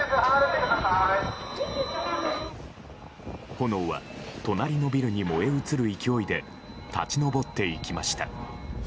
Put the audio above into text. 炎は隣のビルに燃え移る勢いで立ち上っていきました。